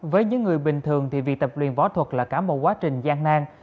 với những người bình thường thì việc tập luyện võ thuật là cả một quá trình gian nang